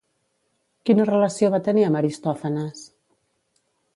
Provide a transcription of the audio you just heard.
Quina relació va tenir amb Aristòfanes?